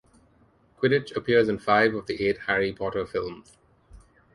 Quidditch appears in five of the eight "Harry Potter" films.